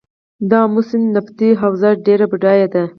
د امو سیند نفتي حوزه ډیره بډایه ده